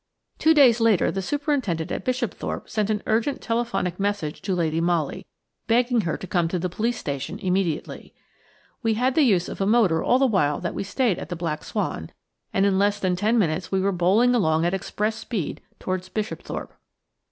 Two days later the superintendent at Bishopthorpe sent an urgent telephonic message to Lady Molly, begging her to come to the police station immediately. We had the use of a motor all the while that we stayed at the "Black Swan," and in less than ten minutes we were bowling along at express speed towards Bishopthorpe.